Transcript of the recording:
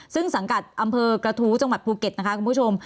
ซึ่งสังกัดอำเภอกระทู้จังหวัดภูเก็ตนะคะคุณผู้ชม